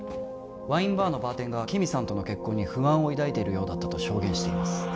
ワインバーのバーテンが木見さんとの結婚に不安を抱いているようだったと証言しています